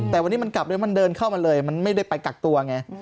แต่วันนี้มันกลับแล้วมันเดินเข้ามาเลยมันไม่ได้ไปกักตัวไง